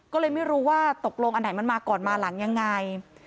ก็เลยไม่รู้ว่าตกลงอันไหนมันมาก่อนมาหลังยังไง